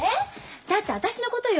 だって私のことよ。